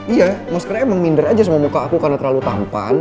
iya maskernya emang minder aja sama muka aku karena terlalu tampan